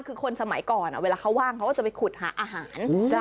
คือคนสมัยก่อนเวลาเขาว่างเขาก็จะไปขุดหาอาหาร